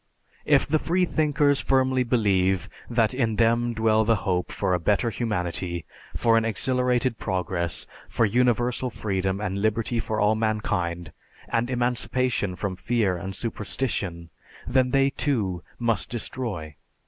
If the freethinkers firmly believe that in them dwell the hope for a better humanity, for an exhilarated progress, for universal freedom and liberty for all mankind, and emancipation from fear and superstition, then they, too, must destroy.